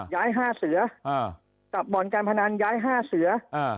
๕เสือกับบ่อนการพนันย้าย๕เสือ